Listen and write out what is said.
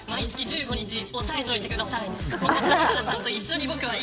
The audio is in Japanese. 毎月１５日押さえといてください。